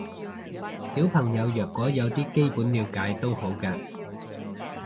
小朋友若果有啲基本了解都好嘅